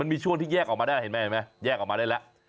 มีช่วงที่แยกออกมาได้เห็นไหมเห็นไหมแยกออกมาได้แล้ว